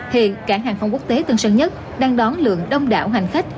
hiện cảng hàng không quốc tế tân sơn nhất đang đón lượng đông đảo hành khách